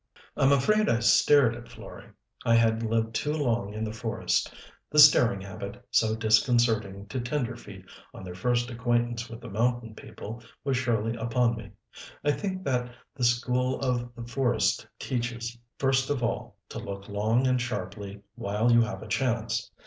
I'm afraid I stared at Florey. I had lived too long in the forest: the staring habit, so disconcerting to tenderfeet on their first acquaintance with the mountain people, was surely upon me. I think that the school of the forest teaches, first of all, to look long and sharply while you have a chance.